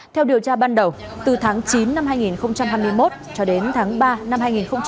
theo điều tra ban đầu từ tháng chín năm hai nghìn hai mươi một cho đến tháng ba năm hai nghìn hai mươi ba